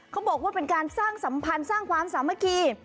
เขาบอกว่าเป็นการสร้างสัมพันธ์สร้างความสามัคคี